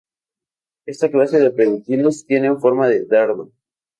Esta clase de proyectiles tienen forma de dardo.